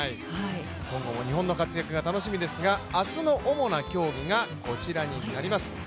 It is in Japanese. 今後も日本の活躍が楽しみですが、明日の主な競技がこちらになります。